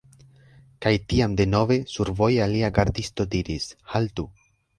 Kaj tiam denove, survoje alia gardisto diris: "Haltu